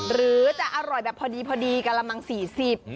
หรือจะอร่อยแบบพอดีกระมัง๔๐บาท